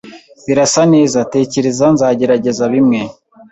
Birasa neza. Tekereza nzagerageza bimwe.